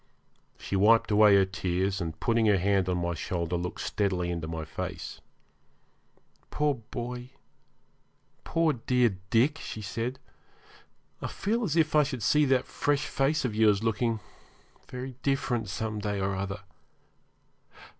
She wiped away her tears, and, putting her hand on my shoulder, looked steadily into my face. 'Poor boy poor, dear Dick,' she said, 'I feel as if I should see that fresh face of yours looking very different some day or other.